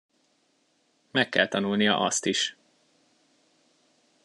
Meg kell tanulnia azt is.